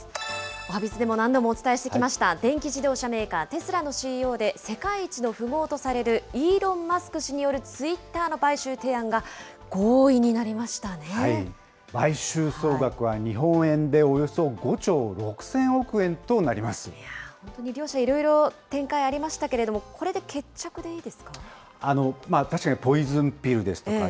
おはＢｉｚでも何度もお伝えしてきました、電気自動車メーカー、テスラのＣＥＯで世界一の富豪とされる、イーロン・マスク氏によるツイッターの買収提案が合意になりまし買収総額は日本円でおよそ５本当に両者、いろいろ展開ありましたけど、これで決着でいいですか。